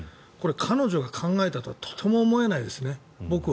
これ、彼女が考えたとはとても思えないですね。